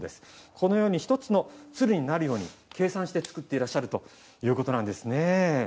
このように一つの鶴になるように計算して作っていらっしゃるということなんですね。